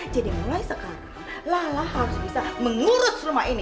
jadi mulai sekarang lala harus bisa mengurus rumah ini